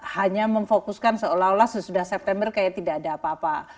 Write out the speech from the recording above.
hanya memfokuskan seolah olah sesudah september kayak tidak ada apa apa